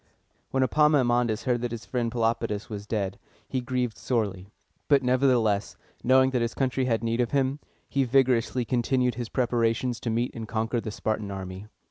When Epaminondas heard that his friend Pelopidas was dead, he grieved sorely; but nevertheless, knowing that his country had need of him, he vigorously continued his preparations to meet and conquer the Spartan army.